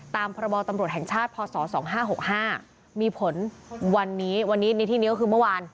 ตามพบตำรวจแห่งชาติพศ๒๕๖๕มีผลวันนี้วันนี้ในที่นี้ก็คือเมื่อวาน